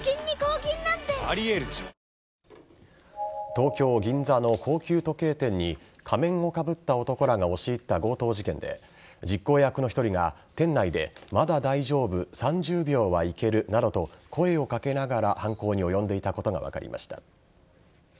東京・銀座の高級時計店に仮面をかぶった男らが押し入った強盗事件で実行役の１人が店内でまだ大丈夫３０秒はいけるなどと声をかけながら犯行に及んでいたことが分かりました。